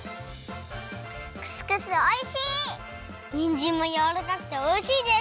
にんじんもやわらかくておいしいです！